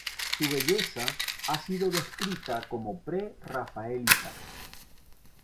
Su belleza ha sido descrita como pre-rafaelita.